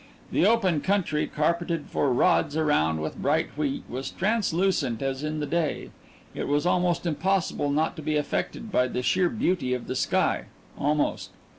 The open country, carpeted for rods around with bright wheat, was translucent as in the day. It was almost impossible not to be affected by the sheer beauty of the sky almost.